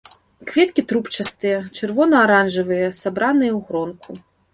Кветкі трубчастыя, чырвона-аранжавыя, сабраныя ў гронку.